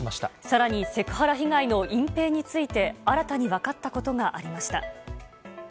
さらに、セクハラ被害の隠蔽について新たに分かったことがありました。